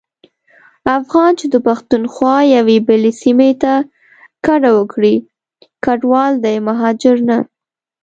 افغان چي د پښتونخوا یوې بلي سيمي ته کډه وکړي کډوال دی مهاجر نه.